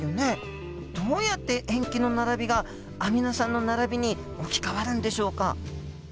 どうやって塩基の並びがアミノ酸の並びに置き換わるんでしょうか？